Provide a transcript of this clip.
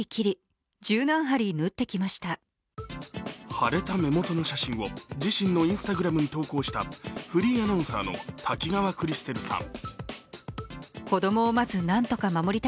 腫れた目元の写真を自身のＩｎｓｔａｇｒａｍに投稿したフリーアナウンサーの滝川クリステルさん。